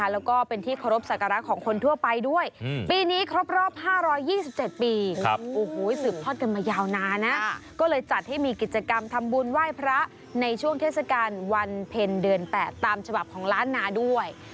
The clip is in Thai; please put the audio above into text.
แล้วก็เป็นที่เคารพสักการะของคนทั่วไปด้วยปีนี้ครบรอบ๕๒๗ปีสืบทอดกันมายาวนานนะก็เลยจัดให้มีกิจกรรมทำบุญไหว้พระในช่วงเทศกาลวันเพ็ญเดือน๘ตามฉบับของล้านนาด้วย